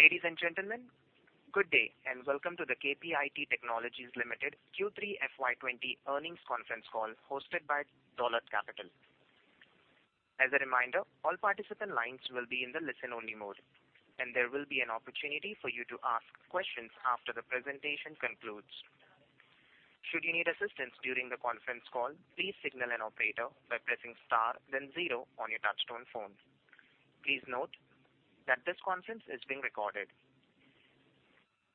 Ladies and gentlemen, good day, and welcome to the KPIT Technologies Ltd Q3 FY 2020 earnings conference call hosted by Dolat Capital. As a reminder, all participant lines will be in the listen-only mode, and there will be an opportunity for you to ask questions after the presentation concludes. Should you need assistance during the conference call, please signal an operator by pressing star then zero on your touch-tone phone. Please note that this conference is being recorded.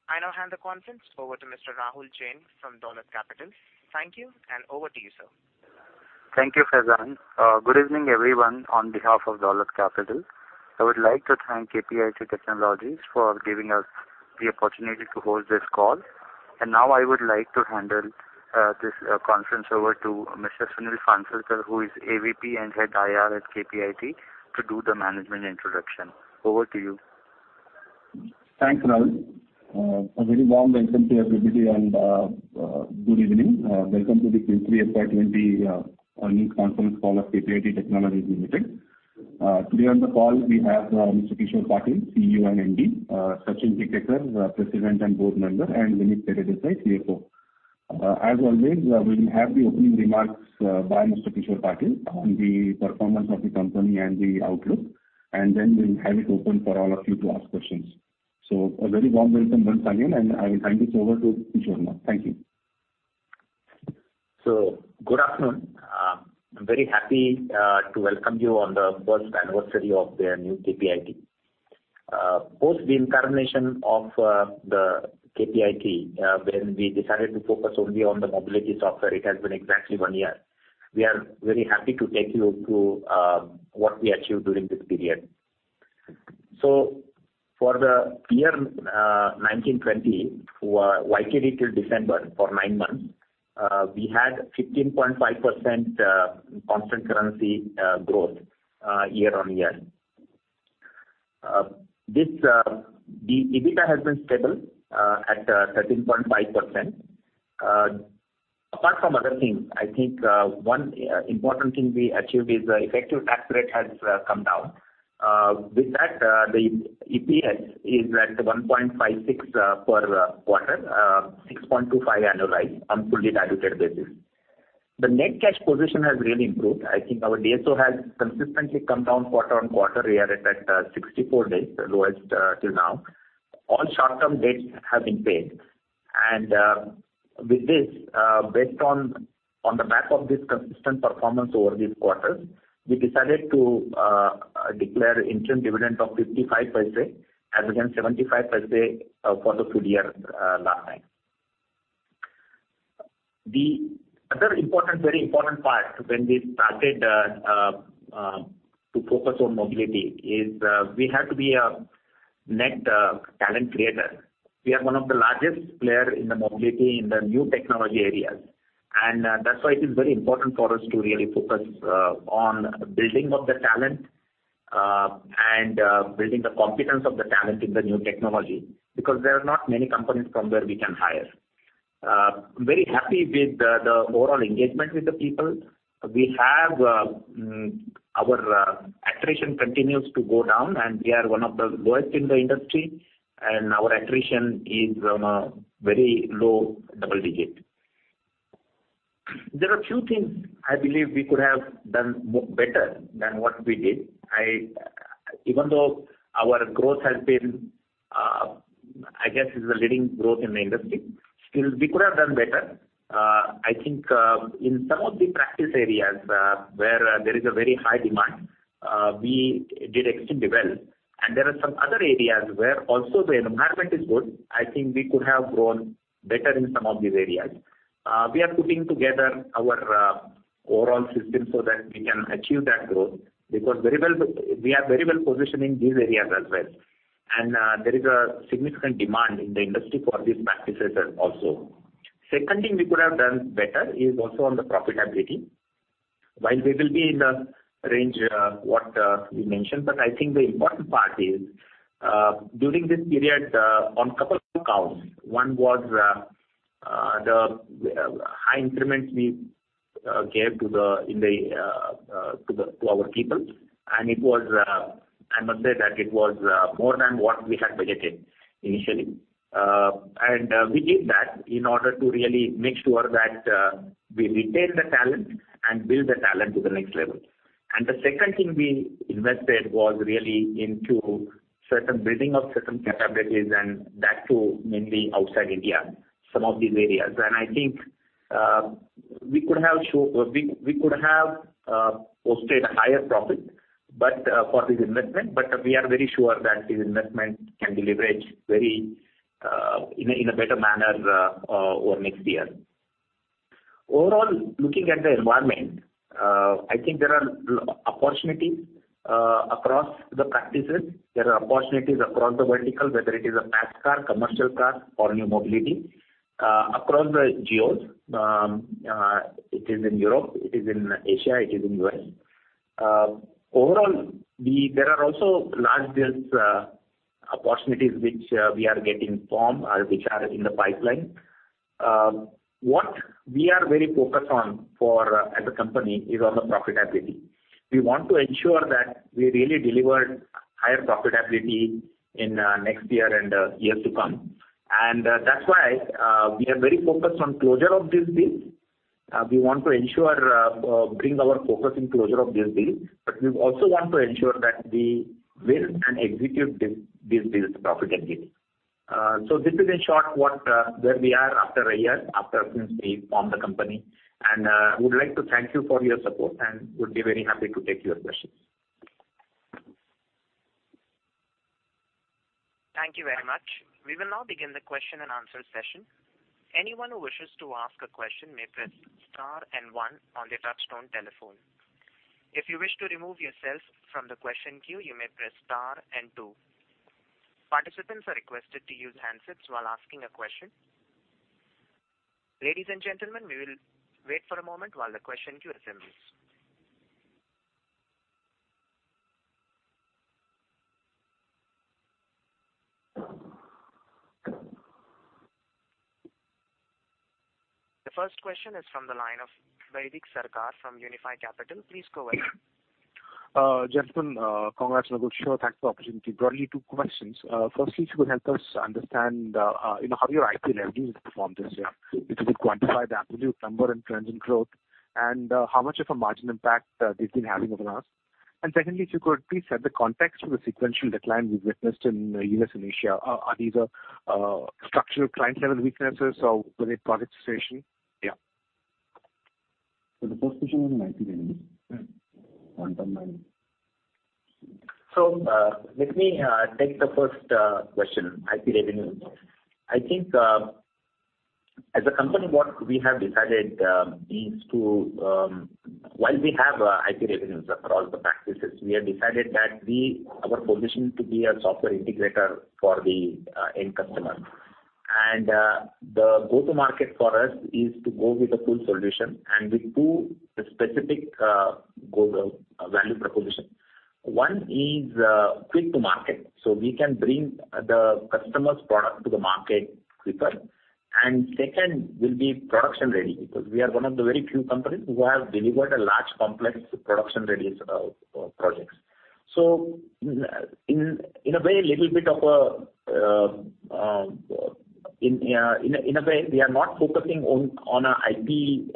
I now hand the conference over to Mr. Rahul Jain from Dolat Capital. Thank you, and over to you, sir. Thank you, Faizan. Good evening, everyone. On behalf of Dolat Capital, I would like to thank KPIT Technologies for giving us the opportunity to hold this call. Now I would like to hand this conference over to Mr. Sunil Phansalkar, who is AVP and Head IR at KPIT, to do the management introduction. Over to you. Thanks, Rahul. A very warm welcome to everybody and good evening. Welcome to the Q3 FY 2020 earnings conference call of KPIT Technologies Ltd. Today on the call we have Mr. Kishor Patil, CEO and MD, Sachin Tikekar, President and Board Member, and Vinit Teredesai, CFO. As always, we will have the opening remarks by Mr. Kishor Patil on the performance of the company and the outlook, then we'll have it open for all of you to ask questions. A very warm welcome once again, I will hand this over to Kishor now. Thank you. Good afternoon. I'm very happy to welcome you on the first anniversary of the new KPIT. Post the incarnation of the KPIT, when we decided to focus only on the mobility software, it has been exactly one year. We are very happy to take you through what we achieved during this period. For the year 2019/2020, YTD till December for nine months, we had 15.5% constant currency growth year on year. The EBITDA has been stable at 13.5%. Apart from other things, I think one important thing we achieved is the effective tax rate has come down. With that, the EPS is at 1.56 per quarter, 6.25 annualized on fully diluted basis. The net cash position has really improved. I think our DSO has consistently come down quarter on quarter. We are at 64 days, the lowest till now. All short-term debts have been paid. With this, based on the back of this consistent performance over these quarters, we decided to declare interim dividend of 55 as against 75 for the full year last time. The other very important part when we started to focus on mobility is we had to be a net talent creator. We are one of the largest player in the mobility in the new technology areas, that's why it is very important for us to really focus on building up the talent and building the competence of the talent in the new technology, because there are not many companies from where we can hire. Very happy with the overall engagement with the people. Our attrition continues to go down, we are one of the lowest in the industry, our attrition is on a very low double digit. There are few things I believe we could have done better than what we did. Even though our growth has been, I guess is the leading growth in the industry, still we could have done better. I think in some of the practice areas where there is a very high demand, we did extremely well. There are some other areas where also the environment is good. I think we could have grown better in some of these areas. We are putting together our overall system so that we can achieve that growth because we are very well positioned in these areas as well. There is a significant demand in the industry for these practices also. Second thing we could have done better is also on the profitability. While we will be in the range what we mentioned, but I think the important part is during this period on couple of counts, one was the high increments we gave to our people, and I must say that it was more than what we had budgeted initially. We did that in order to really make sure that we retain the talent and build the talent to the next level. The second thing we invested was really into certain building of certain capabilities and that too mainly outside India, some of these areas. I think we could have posted a higher profit for this investment, but we are very sure that this investment can deliver it in a better manner over next year. Overall, looking at the environment, I think there are opportunities across the practices. There are opportunities across the vertical, whether it is a mass car, commercial car or new mobility. Across the geos, it is in Europe, it is in Asia, it is in U.S. Overall, there are also large deals opportunities which we are getting from or which are in the pipeline. What we are very focused on as a company is on the profitability. We want to ensure that we really deliver higher profitability in next year and years to come. That's why we are very focused on closure of these deals. We want to bring our focus in closure of these deals. We also want to ensure that we win and execute these deals profitably. This is in short where we are after a year, after since we formed the company. I would like to thank you for your support and would be very happy to take your questions. Thank you very much. We will now begin the question and answer session. Anyone who wishes to ask a question may press star and one on their touch-tone telephone. If you wish to remove yourself from the question queue, you may press star and two. Participants are requested to use handsets while asking a question. Ladies and gentlemen, we will wait for a moment while the question queue assembles. The first question is from the line of Baidik Sarkar from Unifi Capital. Please go ahead. Gentlemen, congrats on a good show. Thanks for the opportunity. Broadly two questions. Firstly, if you could help us understand how your IP revenues performed this year. If you could quantify the absolute number and trends in growth, and how much of a margin impact they've been having over the last. Secondly, if you could please set the context for the sequential decline we've witnessed in the U.S. and Asia. Are these structural client-level weaknesses or were they product situation? The first question was on IP revenue. Yes. On top line. Let me take the first question, IP revenue. I think, as a company, what we have decided is while we have IP revenues across the practices, we have decided that our position is to be a software integrator for the end customer. The go-to-market for us is to go with a full solution and with two specific value proposition. One is quick to market, so we can bring the customer's product to the market quicker. Second will be production-ready, because we are one of the very few companies who have delivered a large, complex production-ready projects. In a way, we are not focusing on IP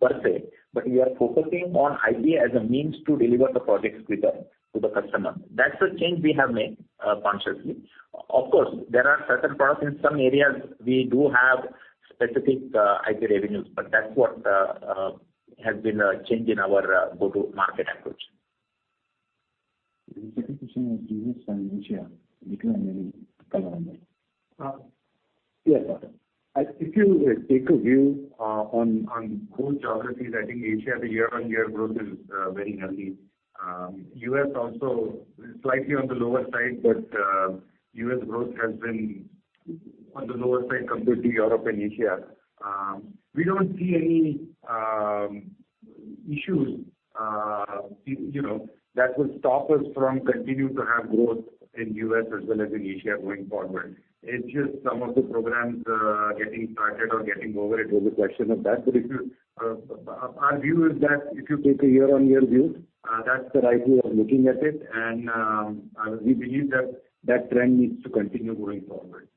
per se, but we are focusing on IP as a means to deliver the projects quicker to the customer. That's the change we have made consciously. Of course, there are certain products in some areas we do have specific IP revenues, but that's what has been a change in our go-to-market approach. The second question was U.S. and Asia decline maybe, Tikekar on that. Yes. If you take a view on both geographies, I think Asia, the year-on-year growth is very healthy. U.S. also is slightly on the lower side. U.S. growth has been on the lower side compared to Europe and Asia. We don't see any issues that will stop us from continuing to have growth in U.S. as well as in Asia going forward. It's just some of the programs getting started or getting over. It was a question of that. Our view is that if you take a year-on-year view, that's the right way of looking at it. We believe that that trend needs to continue going forward.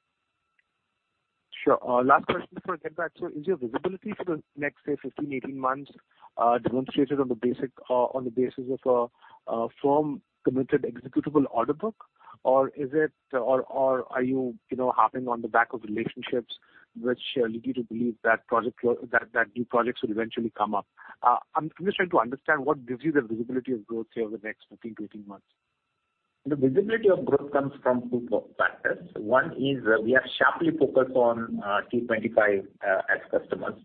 Sure. Last question before I get back. Is your visibility for the next, say, 15, 18 months demonstrated on the basis of a firm, committed executable order book? Or are you hopping on the back of relationships which lead you to believe that new projects will eventually come up? I'm just trying to understand what gives you the visibility of growth over the next 15-18 months. The visibility of growth comes from two factors. One is we are sharply focused on T25 as customers.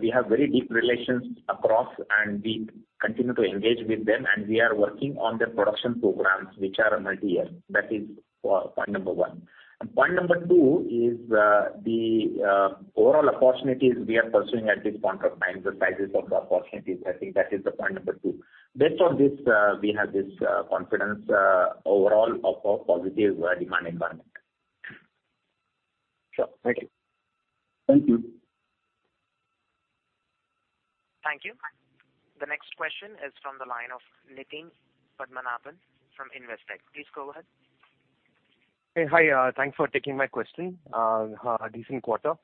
We have very deep relations across, and we continue to engage with them, and we are working on their production programs, which are multi-year. That is point number one. Point number two is the overall opportunities we are pursuing at this point of time, the sizes of the opportunities. I think that is the point number two. Based on this, we have this confidence overall of a positive demand environment. Sure. Thank you. Thank you. Thank you. The next question is from the line of Nitin Padmanabhan from Investec. Please go ahead. Hi. Thanks for taking my question. A decent quarter.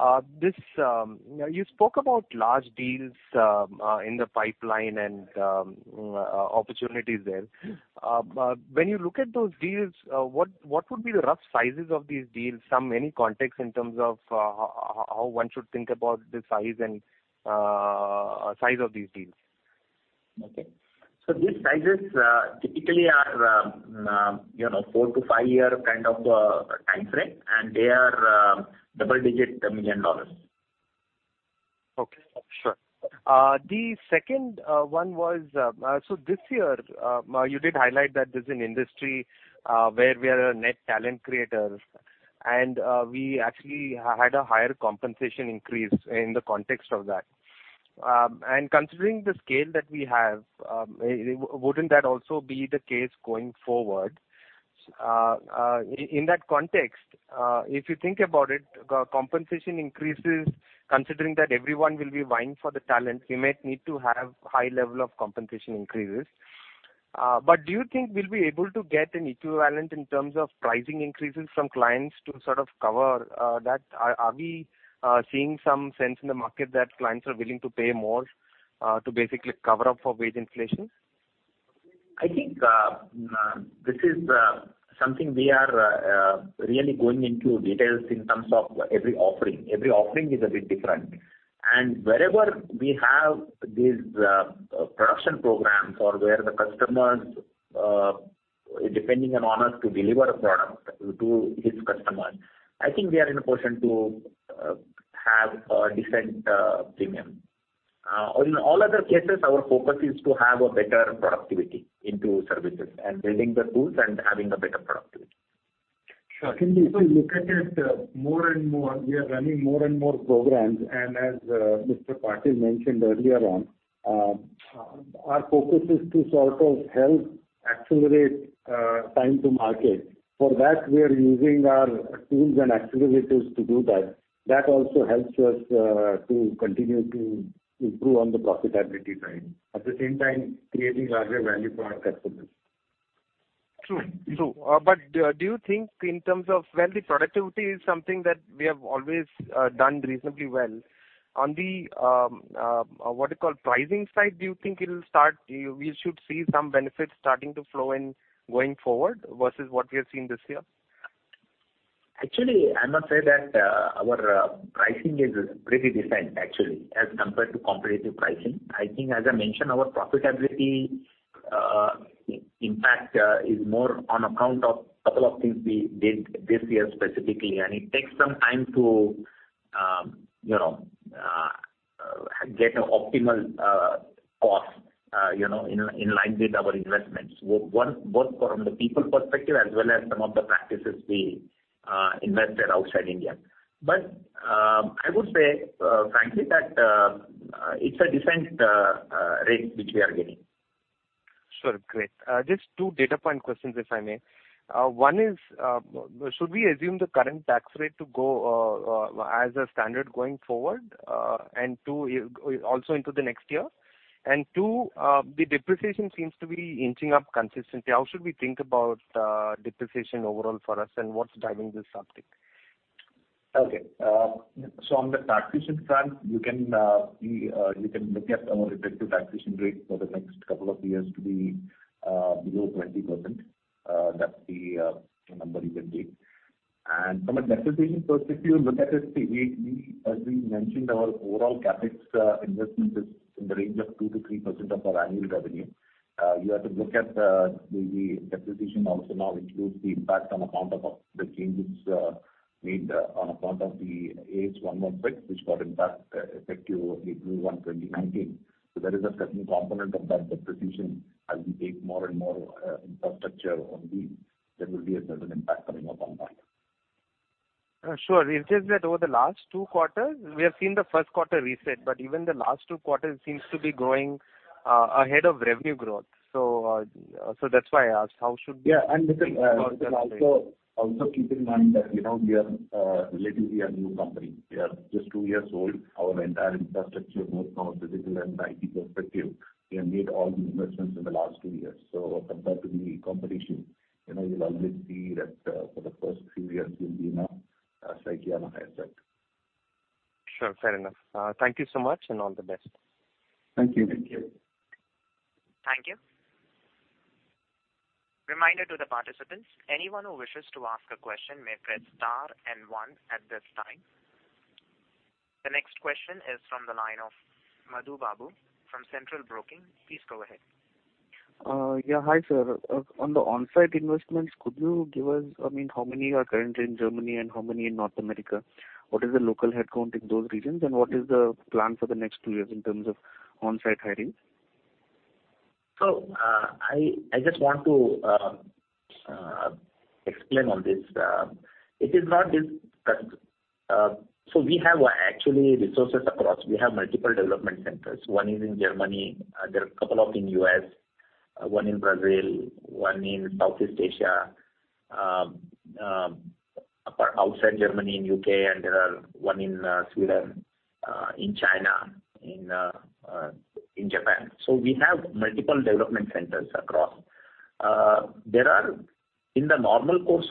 You spoke about large deals in the pipeline and opportunities there. When you look at those deals, what would be the rough sizes of these deals? Any context in terms of how one should think about the size of these deals? Okay. These sizes typically are four to five-year kind of timeframe, and they are double-digit million dollars. Okay. Sure. The second one was, this year, you did highlight that this is an industry where we are a net talent creator. We actually had a higher compensation increase in the context of that. Considering the scale that we have, wouldn't that also be the case going forward? In that context, if you think about it, compensation increases, considering that everyone will be vying for the talent, we might need to have high level of compensation increases. Do you think we'll be able to get an equivalent in terms of pricing increases from clients to sort of cover that? Are we seeing some sense in the market that clients are willing to pay more to basically cover up for wage inflation? I think this is something we are really going into details in terms of every offering. Every offering is a bit different. Wherever we have these production programs or where the customers depending on us to deliver a product to his customer, I think we are in a position to have a decent premium. In all other cases, our focus is to have a better productivity into services and building the tools and having a better productivity. Sure. If you look at it, we are running more and more programs and as Mr. Patil mentioned earlier on, our focus is to sort of help accelerate time to market. For that, we are using our tools and accelerators to do that. That also helps us to continue to improve on the profitability side. At the same time, creating larger value for our customers. True. Do you think Well, the productivity is something that we have always done reasonably well. On the pricing side, do you think we should see some benefits starting to flow in going forward versus what we have seen this year? Actually, I must say that our pricing is pretty decent actually, as compared to competitive pricing. I think as I mentioned, our profitability impact is more on account of couple of things we did this year specifically, it takes some time to get an optimal cost in line with our investments, both from the people perspective as well as some of the practices we invested outside India. I would say frankly, that it's a decent rate which we are getting. Sure. Great. Just two data point questions, if I may. One is, should we assume the current tax rate to go as a standard going forward also into the next year? Two, the depreciation seems to be inching up consistently. How should we think about depreciation overall for us and what's driving this uptick? On the taxation front, you can look at our effective taxation rate for the next couple of years to be below 20%. That's the number you can take. From a depreciation perspective, look at it, as we mentioned, our overall CapEx investment is in the range of 2%-3% of our annual revenue. You have to look at the depreciation also now includes the impact on account of the changes made on account of the Ind AS 116 which got effective April 1, 2019. There is a certain component of that depreciation as we take more and more infrastructure. There will be a certain impact coming up on that. Sure. It's just that over the last two quarters, we have seen the first quarter reset, but even the last two quarters seems to be growing ahead of revenue growth. That's why I asked how should we. Yeah. Also keep in mind that we are relatively a new company. We are just two years old. Our entire infrastructure, both from a physical and IT perspective, we have made all the investments in the last two years. Compared to the competition, you'll always see that for the first few years we'll be slightly on a higher side. Sure. Fair enough. Thank you so much, and all the best. Thank you. Thank you. Thank you. Reminder to the participants, anyone who wishes to ask a question may press star and one at this time. The next question is from the line of Madhu Babu from Centrum Broking. Please go ahead. Yeah. Hi, sir. On the on-site investments, could you give us, how many are currently in Germany and how many in North America? What is the local headcount in those regions, and what is the plan for the next two years in terms of on-site hiring? I just want to explain on this. We have actually resources across. We have multiple development centers. One is in Germany, there are a couple of in U.S., one in Brazil, one in Southeast Asia, outside Germany in U.K., and there are one in Sweden, in China, in Japan. We have multiple development centers across. In the normal course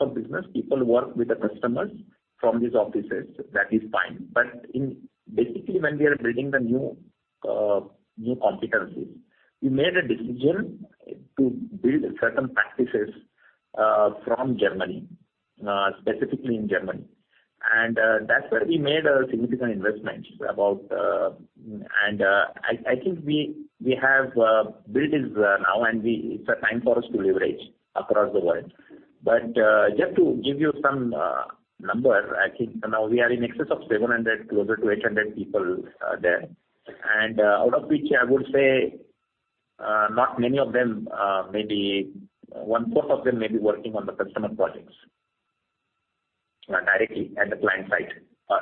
of business, people work with the customers from these offices. That is fine. Basically, when we are building the new competencies, we made a decision to build certain practices from Germany, specifically in Germany. That's where we made a significant investment. I think we have built this now, and it's a time for us to leverage across the world. Just to give you some number, I think now we are in excess of 700, closer to 800 people there. I would say, not many of them, maybe 1/4 of them may be working on the customer projects directly at the client site.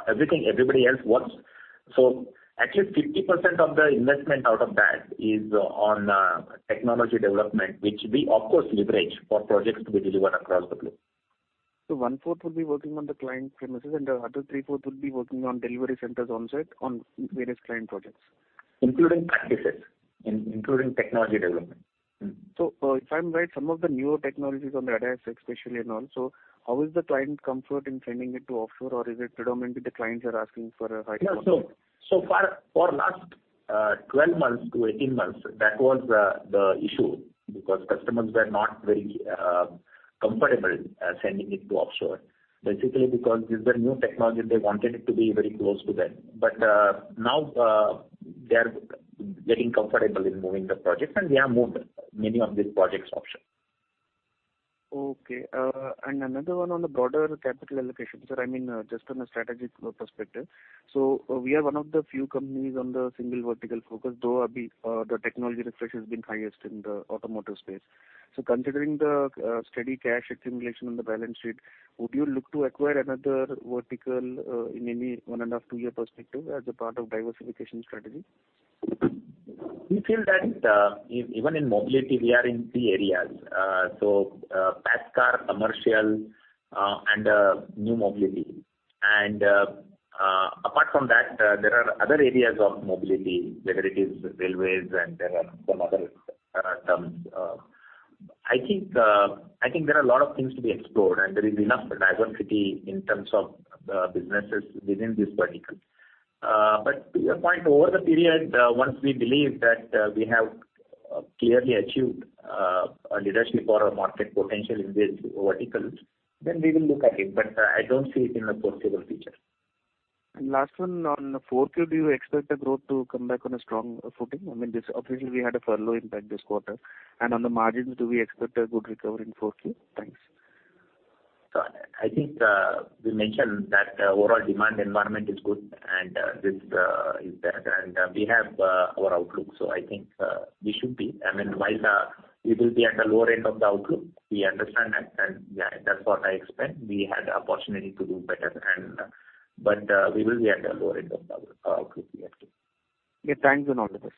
Everything, everybody else works. At least 50% of the investment out of that is on technology development, which we of course leverage for projects to be delivered across the globe. One-fourth will be working on the client premises, and the other 3/4 will be working on delivery centers onsite on various client projects. Including practices, including technology development. If I'm right, some of the newer technologies on the radar, especially and also how is the client comfort in sending it to offshore or is it predominantly the clients are asking for a high-? Yeah. For last 12 months to 18 months, that was the issue because customers were not very comfortable sending it to offshore. Basically because these were new technology, they wanted it to be very close to them. Now they're getting comfortable in moving the project and we have moved many of these projects offshore. Okay. Another one on the broader capital allocation, sir, I mean, just from a strategic perspective. We are one of the few companies on the single vertical focus, though the technology refresh has been highest in the automotive space. Considering the steady cash accumulation on the balance sheet, would you look to acquire another vertical in maybe one and a half, two-year perspective as a part of diversification strategy? We feel that even in mobility, we are in three areas. mass car, commercial, and new mobility. Apart from that, there are other areas of mobility, whether it is railways and there are some other terms. I think there are a lot of things to be explored and there is enough diversity in terms of the businesses within this vertical. To your point, over the period, once we believe that we have clearly achieved a leadership or a market potential in these verticals, then we will look at it. I don't see it in the foreseeable future. Last one on the fourth quarter, do you expect the growth to come back on a strong footing? I mean, this officially we had a furlough impact this quarter. On the margins, do we expect a good recovery in Q4? Thanks. I think we mentioned that overall demand environment is good and this is that. We have our outlook. I think we should be, I mean, while we will be at the lower end of the outlook, we understand that and yeah, that's what I expect. We had opportunity to do better. We will be at the lower end of the outlook we are giving. Yeah. Thanks on all of this.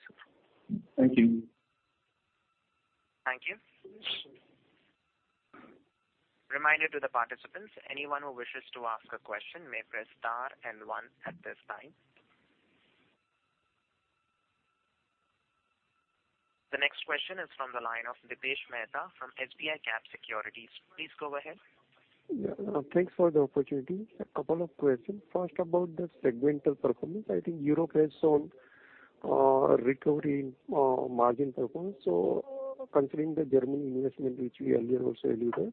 Thank you. Thank you. Reminder to the participants, anyone who wishes to ask a question may press star and one at this time. The next question is from the line of Dipesh Mehta from SBICAP Securities. Please go ahead. Yeah. Thanks for the opportunity. A couple of questions. First, about the segmental performance. I think Europe has shown recovery in margin performance. Considering the Germany investment which we earlier also alluded,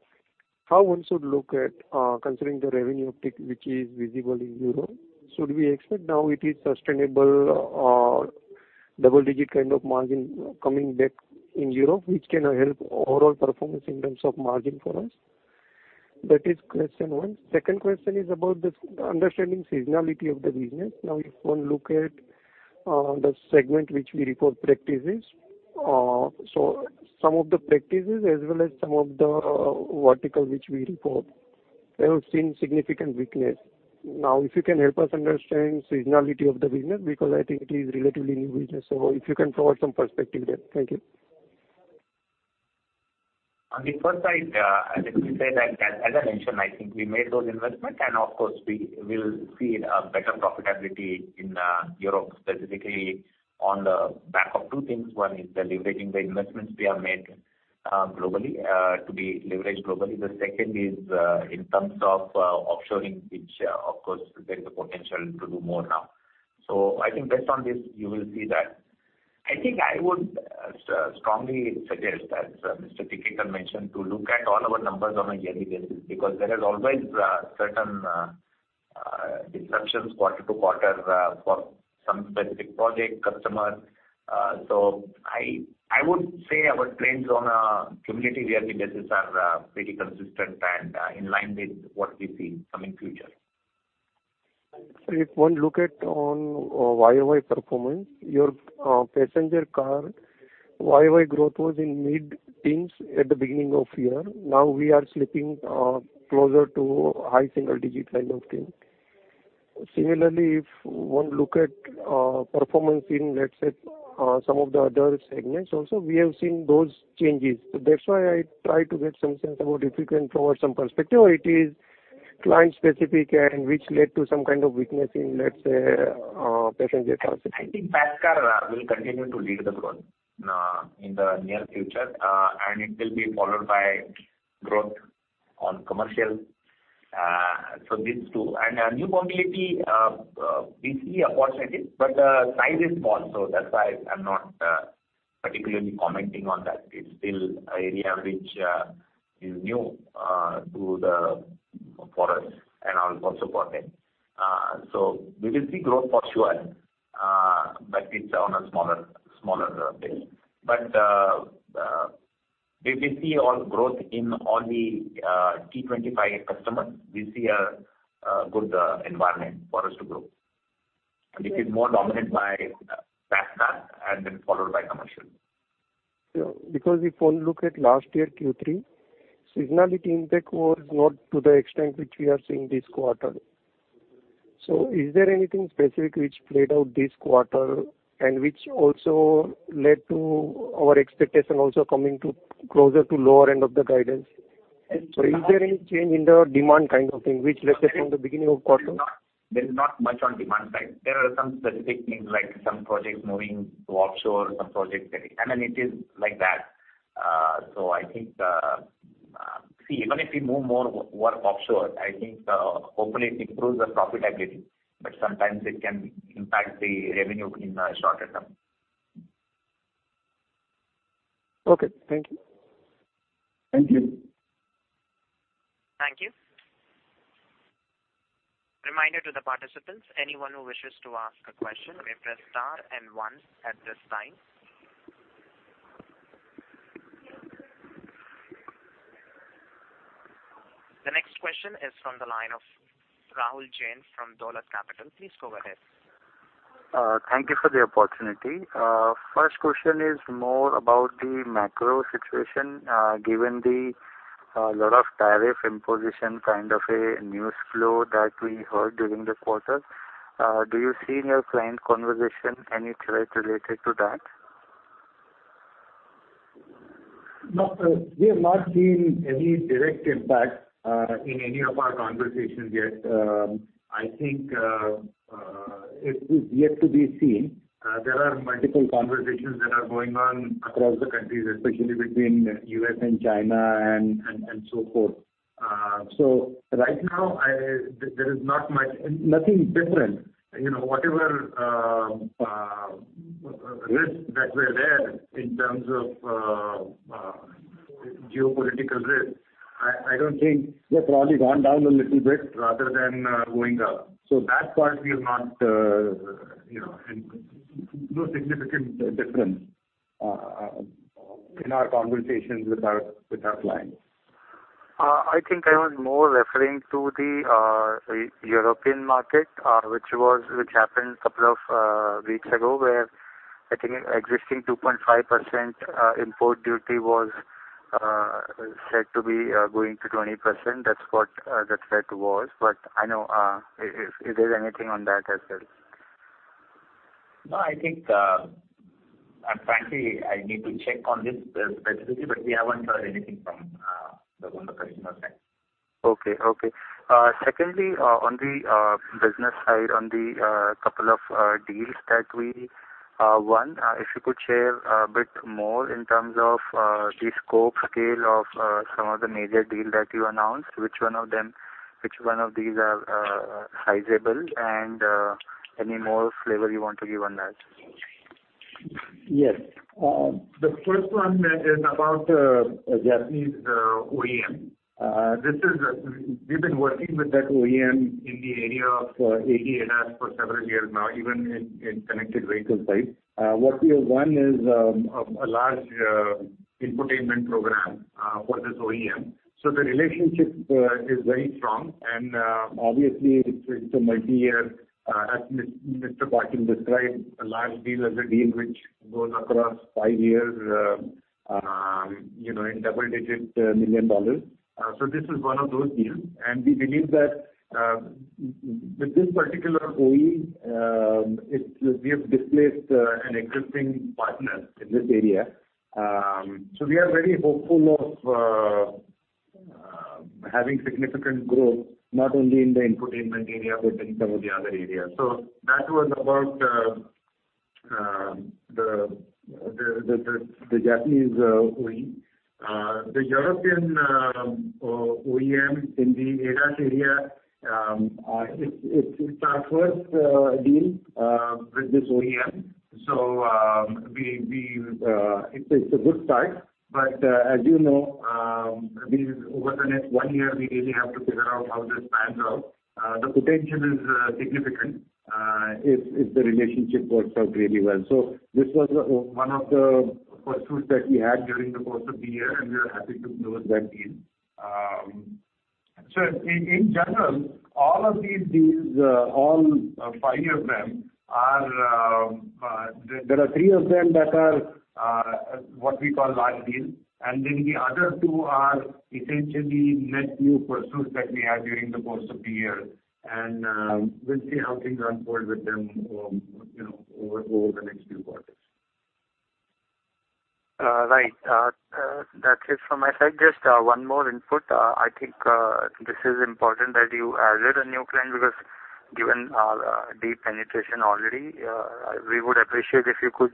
how one should look at considering the revenue uptick which is visible in Europe. Should we expect now it is sustainable or double-digit kind of margin coming back in Europe, which can help overall performance in terms of margin for us? That is question one. Second question is about this understanding seasonality of the business. Now, if one look at the segment which we report practices. Some of the practices as well as some of the vertical which we report have seen significant weakness. Now, if you can help us understand seasonality of the business, because I think it is relatively new business. If you can provide some perspective there. Thank you. On the first side, let me say that as I mentioned, I think we made those investments and of course we will see a better profitability in Europe, specifically on the back of two things. One is the leveraging the investments we have made globally, to be leveraged globally. The second is in terms of offshoring, which of course there's a potential to do more now. I think based on this you will see that. I think I would strongly suggest that Mr. Tikekar mentioned to look at all our numbers on a yearly basis because there is always certain disruptions quarter to quarter for some specific project customer. I would say our trends on a cumulative yearly basis are pretty consistent and in line with what we see coming future. If one look at on YoY performance, your passenger car YoY growth was in mid-teens at the beginning of year. Now we are slipping closer to high single digit kind of thing. If one look at performance in, let's say, some of the other segments also we have seen those changes. That's why I try to get some sense about if you can provide some perspective or it is client specific and which led to some kind of weakness in, let's say, passenger cars. I think pas car will continue to lead the growth in the near future, and it will be followed by growth on commercial. These two. New mobility, we see a positive but the size is small, that's why I'm not particularly commenting on that. It's still an area which is new for us and also for them. We will see growth for sure, but it's on a smaller base. If we see all growth in all the T25 customers, we see a good environment for us to grow. It is more dominated by pas car and then followed by commercial. Yeah. If one look at last year Q3, seasonality impact was not to the extent which we are seeing this quarter. Is there anything specific which played out this quarter and which also led to our expectation also coming closer to lower end of the guidance? Is there any change in the demand kind of thing, which let's say from the beginning of quarter? There is not much on demand side. There are some specific things like some projects moving to offshore. It is like that. I think, even if we move more work offshore, I think hopefully it improves the profitability, but sometimes it can impact the revenue in a shorter term. Okay. Thank you. Thank you. Thank you. Reminder to the participants, anyone who wishes to ask a question, may press star and one at this time. The next question is from the line of Rahul Jain from Dolat Capital. Please go ahead. Thank you for the opportunity. First question is more about the macro situation, given the lot of tariff imposition kind of a news flow that we heard during the quarter. Do you see in your client conversation any threat related to that? No, we have not seen any direct impact, in any of our conversations yet. I think, it is yet to be seen. There are multiple conversations that are going on across the countries, especially between U.S. and China and so forth. Right now, there is nothing different. Whatever risks that were there in terms of geopolitical risks, I don't think they've probably gone down a little bit rather than going up. No significant difference in our conversations with our clients. I think I was more referring to the European market, which happened couple of weeks ago, where I think existing 2.5% import duty was said to be going to 20%. That's what the threat was. I know, if there's anything on that as well. No, I think, frankly, I need to check on this specifically, but we haven't heard anything from the customer side. Okay. Secondly, on the business side, on the couple of deals that we won, if you could share a bit more in terms of the scope scale of some of the major deal that you announced, which one of these are sizable, and any more flavor you want to give on that? Yes. The first one is about a Japanese OEM. We've been working with that OEM in the area of ADAS for several years now, even in connected vehicle side. What we have won is a large infotainment program for this OEM. The relationship is very strong and, obviously, it's a multi-year, as Mr. Patil described, a large deal as a deal which goes across five years, in double-digit million dollars. This is one of those deals. We believe that, with this particular OE, we have displaced an existing partner in this area. We are very hopeful of having significant growth, not only in the infotainment area, but in some of the other areas. That was about the Japanese OE. The European OEM in the ADAS area, it's our first deal with this OEM, so it's a good start. As you know, over the next one year, we really have to figure out how this pans out. The potential is significant, if the relationship works out really well. This was one of the pursuits that we had during the course of the year, and we are happy to close that deal. In general, all of these deals, all five of them, there are three of them that are what we call large deals. The other two are essentially net new pursuits that we had during the course of the year. We'll see how things unfold with them over the next few quarters. Right. That's it from my side. Just one more input. I think, this is important that you added a new client because given our deep penetration already, we would appreciate if you could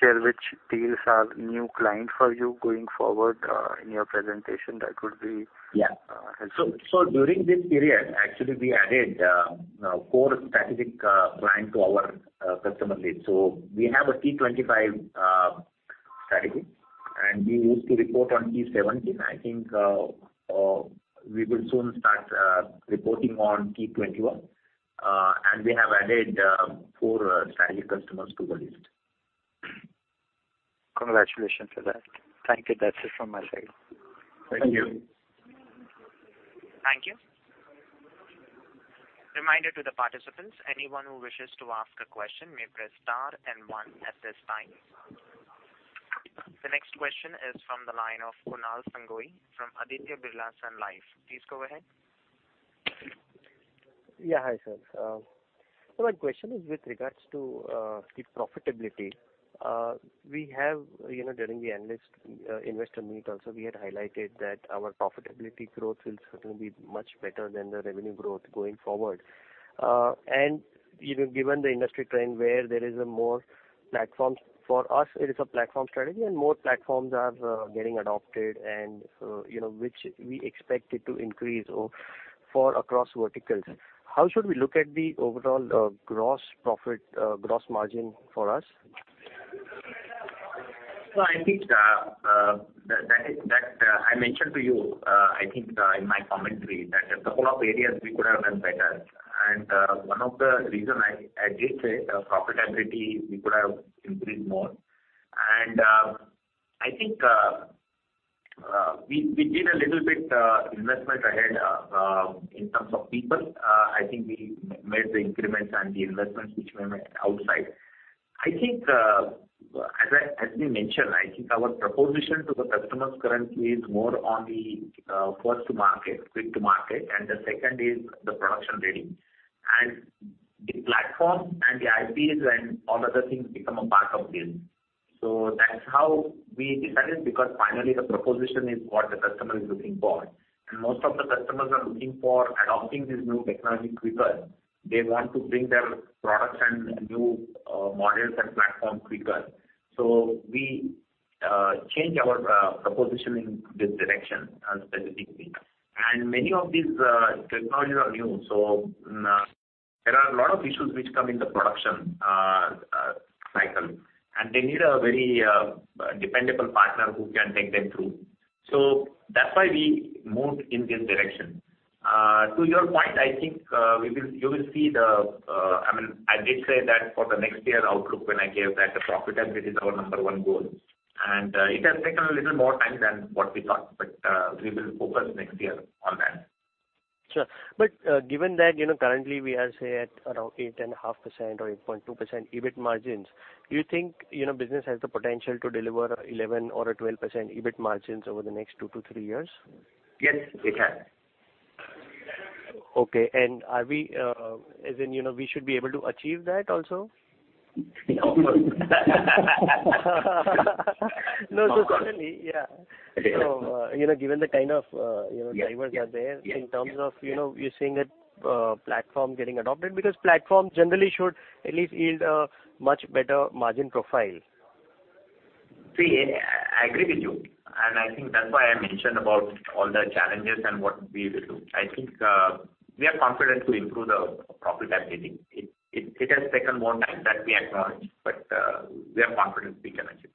share which deals are new client for you going forward, in your presentation, that would be helpful. During this period, actually, we added four strategic client to our customer base. We have a T25 strategy, and we used to report on T17. I think, we will soon start reporting on T21. And we have added four strategic customers to the list. Congratulations for that. Thank you. That's it from my side. Thank you. Thank you. Reminder to the participants, anyone who wishes to ask a question may press star and one at this time. The next question is from the line of Kunal Sangoi from Aditya Birla Sun Life. Please go ahead. Yeah. Hi, sir. My question is with regards to the profitability. During the analyst investor meet also, we had highlighted that our profitability growth will certainly be much better than the revenue growth going forward. Given the industry trend where there is more platforms. For us, it is a platform strategy and more platforms are getting adopted and which we expect it to increase for across verticals. How should we look at the overall gross profit, gross margin for us? I think that I mentioned to you, I think, in my commentary that a couple of areas we could have done better. One of the reason I did say profitability, we could have improved more. I think, we did a little bit investment ahead, in terms of people. I think we made the increments and the investments which we made outside. As we mentioned, I think our proposition to the customers currently is more on the first to market, quick to market, and the second is the production ready. The platform and the IPs and all other things become a part of this. That's how we decided, because finally the proposition is what the customer is looking for. Most of the customers are looking for adopting this new technology quicker. They want to bring their products and new models and platform quicker. We change our proposition in this direction specifically. Many of these technologies are new. There are a lot of issues which come in the production cycle, and they need a very dependable partner who can take them through. That's why we moved in this direction. To your point, I think you will see the I did say that for the next year outlook when I gave that the profitability is our number one goal. It has taken a little more time than what we thought, but we will focus next year on that. Sure. Given that currently we are, say, at around 8.5% or 8.2% EBIT margins, do you think business has the potential to deliver 11% or a 12% EBIT margins over the next two to three years? Yes, it has. Okay. Are we, as in, we should be able to achieve that also? Of course. No, just generally. Yeah. Yeah. Given the kind of drivers are there. Yeah. In terms of, you seeing a platform getting adopted, because platforms generally should at least yield a much better margin profile. See, I agree with you. I think that's why I mentioned about all the challenges and what we will do. I think we are confident to improve the profit and earning. It has taken more time, that we acknowledge. We are confident we can achieve.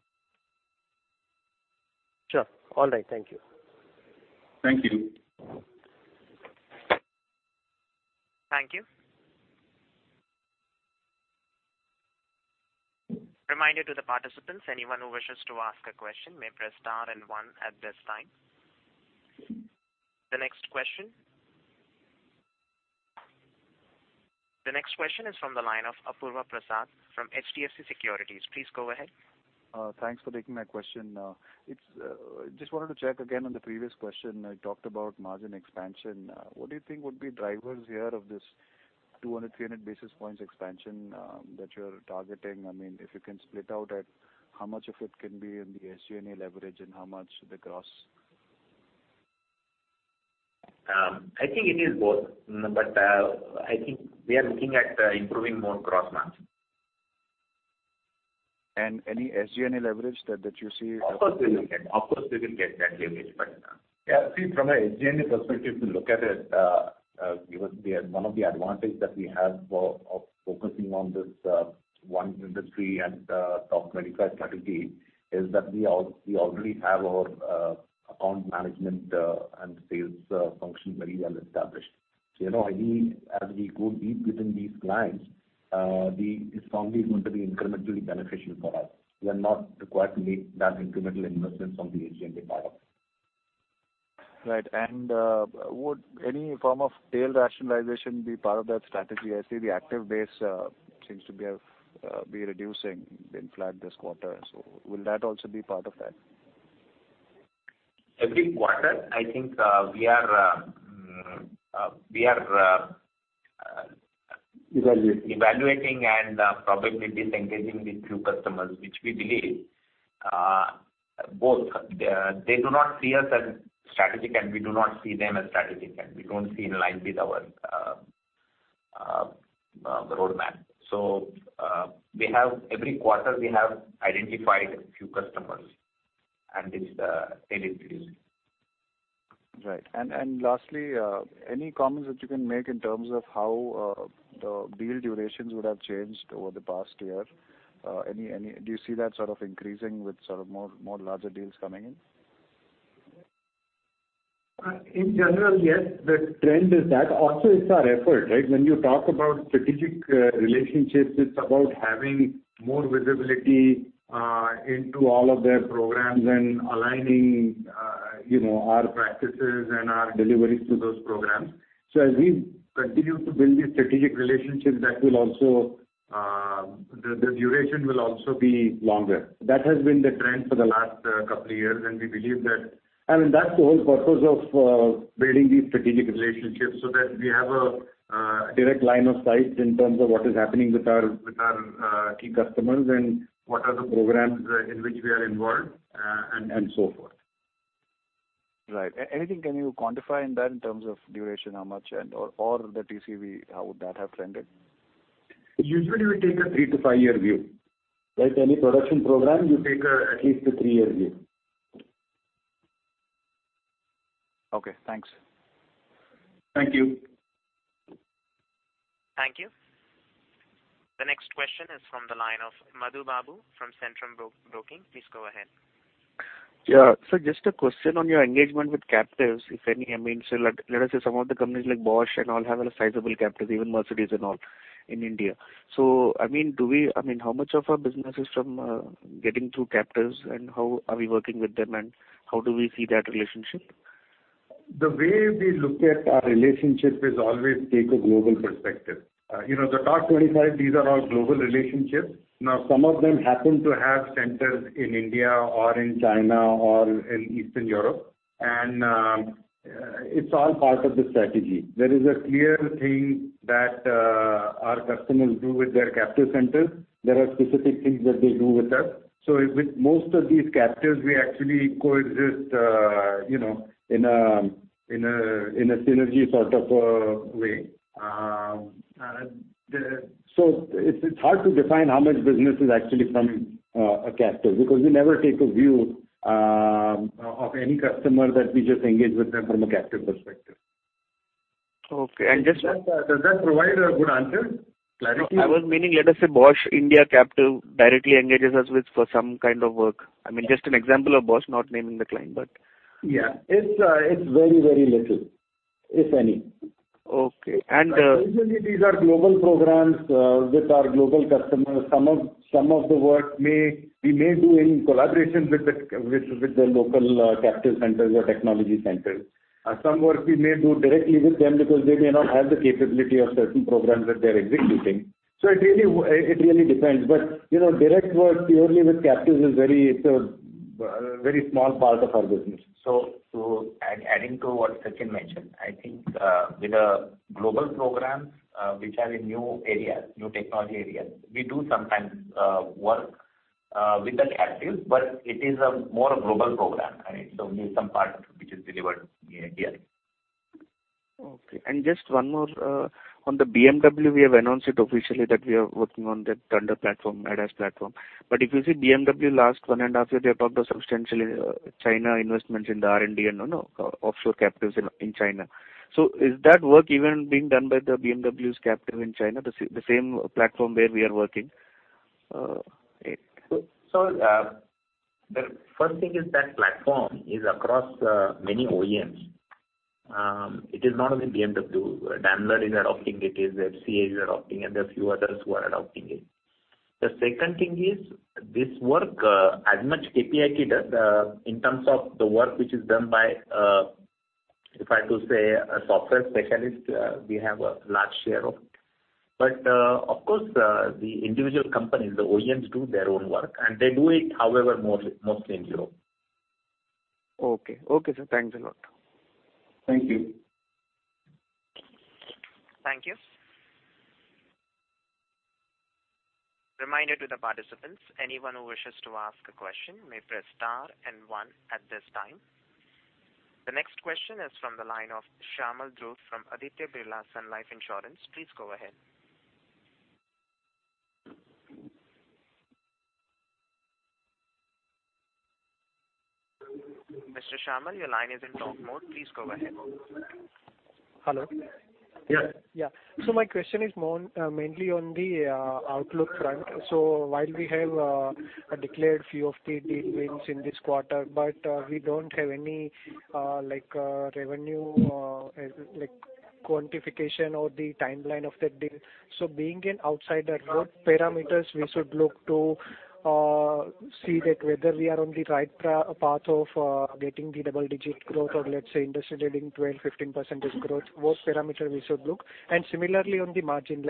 Sure. All right. Thank you. Thank you. Thank you. Reminder to the participants, anyone who wishes to ask a question may press star and one at this time. The next question is from the line of Apurva Prasad from HDFC Securities. Please go ahead. Thanks for taking my question. Just wanted to check again on the previous question. I talked about margin expansion. What do you think would be drivers here of this 200, 300 basis points expansion that you're targeting? If you can split out at how much of it can be in the SG&A leverage and how much the gross? I think it is both, but I think we are looking at improving more gross margin. Any SG&A leverage that you see- Of course, we will get that leverage. See, from an SG&A perspective, to look at it, one of the advantage that we have of focusing on this one industry and top vertical strategy is that we already have our account management and sales function very well established. As we go deep within these clients, this probably is going to be incrementally beneficial for us. We are not required to make that incremental investment from the SG&A part. Right. Would any form of tail rationalization be part of that strategy? I see the active base seems to be reducing, been flat this quarter. Will that also be part of that? Every quarter, I think, we are evaluating and probably disengaging with few customers, which we believe, both, they do not see us as strategic, and we do not see them as strategic, and we don't see in line with our roadmap. Every quarter we have identified few customers and this tail is reducing. Lastly, any comments that you can make in terms of how the deal durations would have changed over the past year? Do you see that sort of increasing with sort of more larger deals coming in? In general, yes, the trend is that also is our effort. When you talk about strategic relationships, it's about having more visibility into all of their programs and aligning our practices and our deliveries to those programs. As we continue to build these strategic relationships, the duration will also be longer. That has been the trend for the last couple of years, and that's the whole purpose of building these strategic relationships, so that we have a direct line of sight in terms of what is happening with our key customers and what are the programs in which we are involved, and so forth. Right. Anything can you quantify in that in terms of duration, how much, or the TCV, how would that have trended? Usually, we take a three-to-five-year view. Any production program, you take at least a three-year view. Okay, thanks. Thank you. Thank you. The next question is from the line of Madhu Babu from Centrum Broking. Please go ahead. Yeah. Sir, just a question on your engagement with captives, if any. Let us say some of the companies like Bosch and all have a sizable captive, even Mercedes-Benz and all in India. How much of our business is from getting through captives and how are we working with them and how do we see that relationship? The way we look at our relationship is always take a global perspective. The Top 25, these are all global relationships. Some of them happen to have centers in India or in China or in Eastern Europe. It's all part of the strategy. There is a clear thing that our customers do with their captive centers. There are specific things that they do with us. With most of these captives, we actually coexist in a synergy sort of a way. It's hard to define how much business is actually from a captive, because we never take a view of any customer that we just engage with them from a captive perspective. Okay. Does that provide a good answer? Clarity? No, I was meaning, let us say Bosch India captive directly engages us with some kind of work. Just an example of Bosch, not naming the client, but. Yeah. It's very little, if any. Okay. Usually, these are global programs with our global customers. Some of the work we may do in collaboration with the local captive centers or technology centers. Some work we may do directly with them because they may not have the capability of certain programs that they're executing. It really depends. Direct work purely with captives is a very small part of our business. Adding to what Sachin mentioned, I think with the global programs which are in new technology areas, we do sometimes work with the captive, but it is a more global program, and it's only some part which is delivered in India. Okay. Just one more. On the BMW, we have announced it officially that we are working on that thunder platform, ADAS platform. If you see BMW last one and a half year, they have talked of substantial China investments in the R&D and offshore captives in China. Is that work even being done by the BMW's captive in China, the same platform where we are working? The first thing is that platform is across many OEMs. It is not only BMW. Daimler is adopting it, FCA is adopting, and there are a few others who are adopting it. The second thing is, this work, as much KPIT does in terms of the work which is done by, if I was to say, a software specialist, we have a large share of. Of course, the individual companies, the OEMs do their own work, and they do it however, mostly in Europe. Okay. Okay, sir. Thanks a lot. Thank you. Thank you. Reminder to the participants, anyone who wishes to ask a question may press star and one at this time. The next question is from the line of Shamal Dhruv from Aditya Birla Sun Life Insurance. Please go ahead. Mr. Shamal, your line is in talk mode. Please go ahead. Hello. Yeah. Yeah. My question is mainly on the outlook front. While we have a declared few of the deal wins in this quarter, but we don't have any revenue quantification or the timeline of that deal. Being an outsider, what parameters we should look to see that whether we are on the right path of getting the double-digit growth or let's say industry-leading 12%, 15% growth, what parameter we should look? Similarly, on the margin,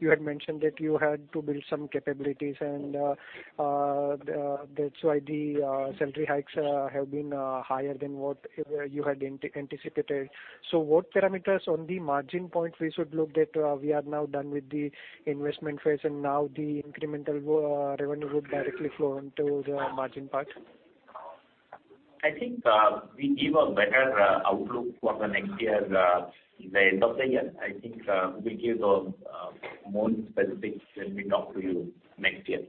you had mentioned that you had to build some capabilities and that's why the salary hikes have been higher than what you had anticipated. What parameters on the margin point we should look that we are now done with the investment phase and now the incremental revenue would directly flow into the margin part? I think we give a better outlook for the next year in the end of the year. I think we give a more specific when we talk to you next year.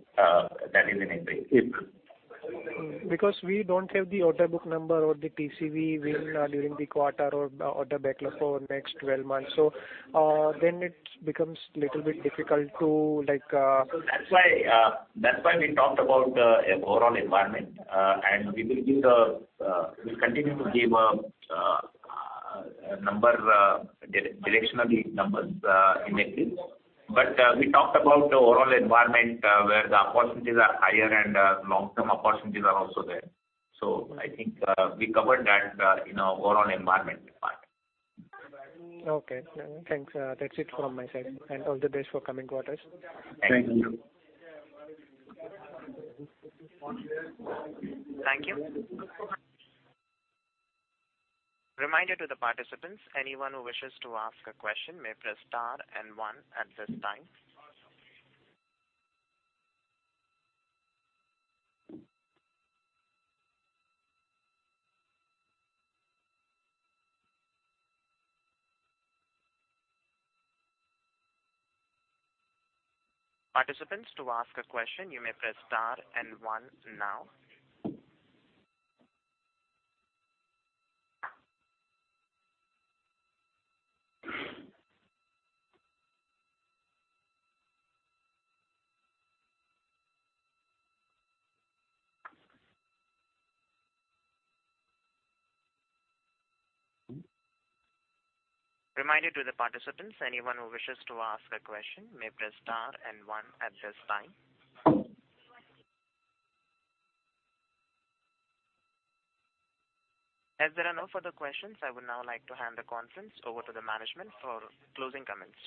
Because we don't have the order book number or the TCV win during the quarter or the order backlog for next 12 months. It becomes little bit difficult. That's why we talked about overall environment, and we'll continue to give directionally numbers in April. We talked about the overall environment, where the opportunities are higher and long-term opportunities are also there. I think we covered that in our overall environment part. Okay, thanks. That's it from my side, and all the best for coming quarters. Thank you. Thank you. Reminder to the participants, anyone who wishes to ask a question may press star and one at this time. Participants, to ask a question, you may press star and one now. Reminder to the participants, anyone who wishes to ask a question may press star and one at this time. As there are no further questions, I would now like to hand the conference over to the management for closing comments.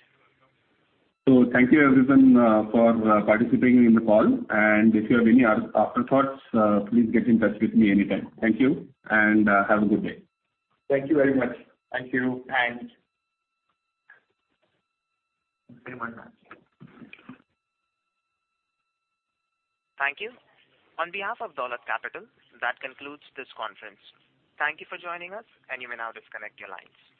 Thank you everyone for participating in the call. If you have any afterthoughts, please get in touch with me anytime. Thank you, and have a good day. Thank you very much. Thank you. Thanks. Thank you. On behalf of Dolat Capital, that concludes this conference. Thank you for joining us, and you may now disconnect your lines.